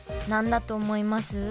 何だと思います？